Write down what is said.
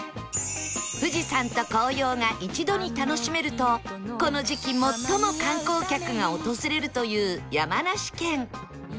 富士山と紅葉が一度に楽しめるとこの時期最も観光客が訪れるという山梨県